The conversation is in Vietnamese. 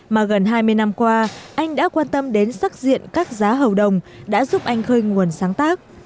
mà gần hai mươi năm qua anh đã quan tâm đến sắc diện các giá hầu đồng đã giúp anh khơi nguồn sáng tác